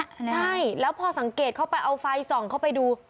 ใช่แล้วพอสังเกตเข้าไปเอาไฟส่องเข้าไปดู